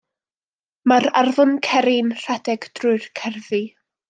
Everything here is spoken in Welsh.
Mae'r Afon Ceri'n rhedeg drwy'r gerddi.